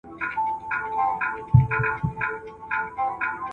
شرک مه کوئ.